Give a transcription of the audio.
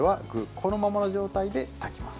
このままの状態で炊きます。